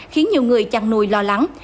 khiến nhiều người chăn nuôi lo lắng